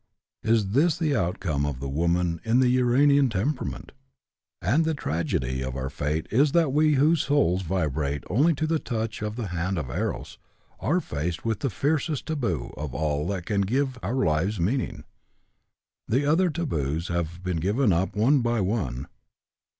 Is this the outcome of the woman in the uranian temperament? And the tragedy of our fate is that we whose souls vibrate only to the touch of the hand of Eros are faced with the fiercest taboo of all that can give our lives meaning. The other taboos have been given up one by one.